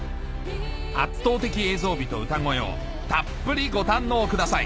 圧倒的映像美と歌声をたっぷりご堪能ください